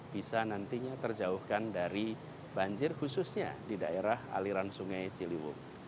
bisa nantinya terjauhkan dari banjir khususnya di daerah aliran sungai ciliwung